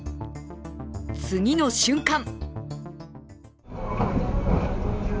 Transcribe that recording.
次の瞬間